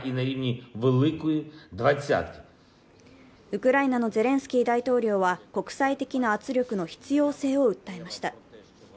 ウクライナのゼレンスキー大統領は、国際的な圧力の必要性を訴えました。